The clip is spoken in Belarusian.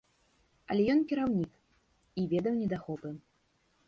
Але ён кіраўнік і ведаў недахопы.